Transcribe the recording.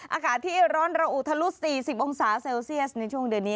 อากาศที่ร้อนระอุทะลุ๔๐องศาเซลเซียสในช่วงเดือนนี้